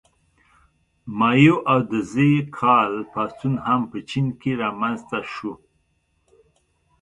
مائو او د ز کال پاڅون هم په چین کې رامنځته شو.